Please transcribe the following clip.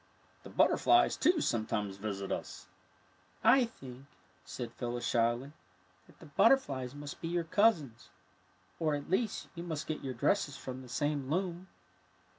The butterflies, too, sometimes visit us.'' '' I think," said PhylUs, shyly, " that the butterflies must be your cousins, or, at least, you must get your dresses from the same loom."